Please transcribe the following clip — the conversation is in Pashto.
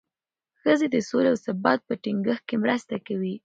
ښځې د سولې او ثبات په ټینګښت کې مرسته کوي.